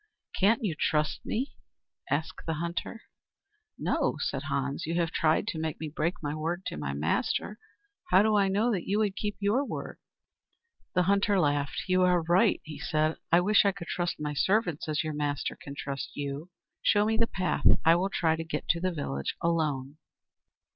"Can't you trust me?" asked the hunter. "No," said Hans. "You have tried to make me break my word to my master. How do I know that you would keep your word?" The hunter laughed. "You are right," he said. "I wish I could trust my servants as your master can trust you. Show me the path. I will try to get to the village alone."